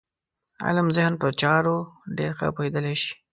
علم ذهن په چارو ډېر ښه پوهېدلی شي.